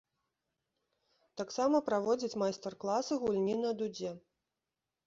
Таксама праводзіць майстар-класы гульні на дудзе.